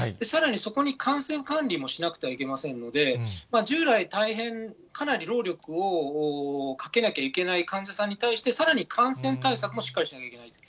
さらにそこに感染管理もしなくてはいけませんので、従来、大変、かなり労力をかけなきゃいけない患者さんに対して、さらに感染対策もしっかりしなきゃいけない。